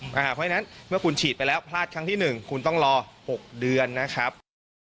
เพราะฉะนั้นเมื่อคุณฉีดไปแล้วพลาดครั้งที่๑คุณต้องรอ๖เดือนนะครับ